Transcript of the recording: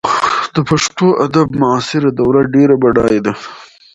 د پښتو ادب معاصره دوره ډېره بډایه ده.